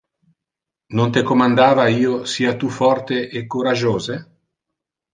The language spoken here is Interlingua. Non te commandava io: sia tu forte e coragiose?